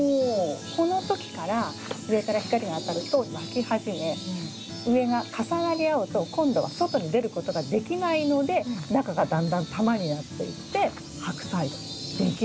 この時から上から光が当たると巻き始め上が重なり合うと今度は外に出ることができないので中がだんだん球になっていってハクサイができるんです。